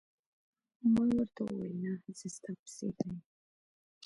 ما ورته وویل: نه، زه ستا په څېر نه یم.